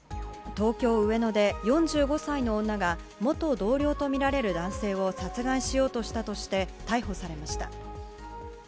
東京・上野で４５歳の女が元同僚とみられる男性を殺害しようとしたとして逮捕されました。